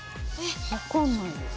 分かんないです。